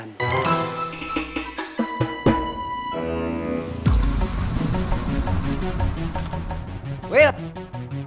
ngobrol itu enaknya ada cemilan